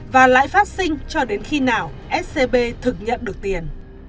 và lãi phát sinh cho đến khi nào scb thực nhận được tiền